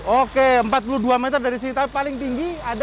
oke empat puluh dua meter dari sini tapi paling tinggi